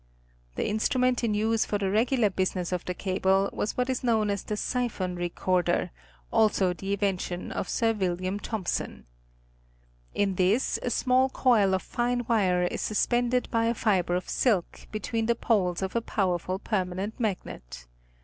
The instrument in use for the regular business of the cable was what is known as the siphon recorder, also the invention of Sir Wm. Thompson. In this a small coil of fine wire is suspended by a fibre of silk, between the poles of a powerful permanent magnet.